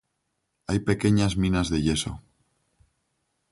Hay pequeñas minas de yeso.